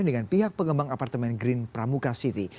dengan pihak pengembang apartemen green pramuka city